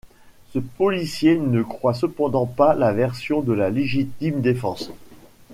Le policier ne croit cependant pas la version de la légitime défense.